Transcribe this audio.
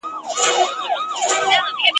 منت واخله، ولي منت مکوه !.